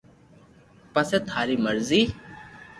پسي ٿاري مرزي